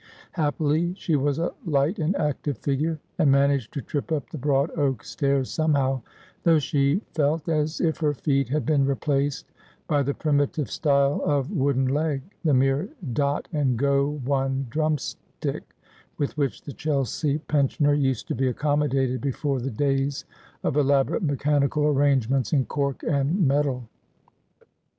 Hap pily she was a light and active figure, and managed to trip up the broad oak stairs somehow ; though she felt as if her feet had been replaced by the primitive style of wooden leg, the mere dot and go one drumstick, with which the Chelsea pensioner used to be accommodated before the days of elaborate mechanical arrangements in cork and metal.